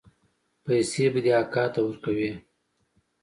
پيسې به دې اکا ته ورکوې.